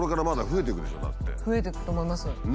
増えていくと思います。